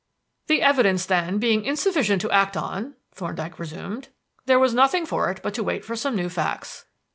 "The evidence, then, being insufficient to act upon," Thorndyke resumed, "there was nothing for it but to wait for some new facts.